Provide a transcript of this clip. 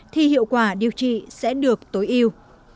thì hiệu quả điều trị sẽ được tối ưu